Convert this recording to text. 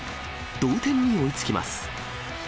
同点に追いつきます。